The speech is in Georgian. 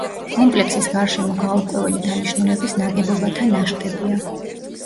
კომპლექსის გარშემო გაურკვეველი დანიშნულების ნაგებობათა ნაშთებია.